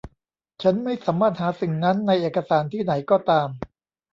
ฉันไม่สามารถหาสิ่งนั้นในเอกสารที่ไหนก็ตาม